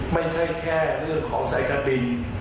ไม่ใช่แค่เรื่องของสายการบิน